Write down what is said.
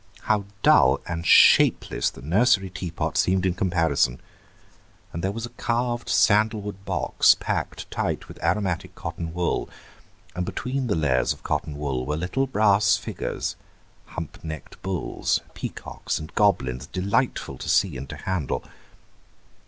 How dull and shapeless the nursery teapot seemed in comparison! And there was a carved sandal wood box packed tight with aromatic cotton wool, and between the layers of cotton wool were little brass figures, hump necked bulls, and peacocks and goblins, delightful to see and to handle.